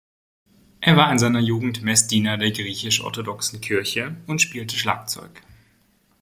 Er war in seiner Jugend Messdiener der griechisch-orthodoxen Kirche und spielte Schlagzeug.